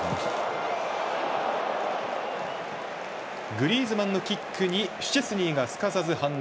グリーズマンのキックにシュチェスニーがすかさず反応。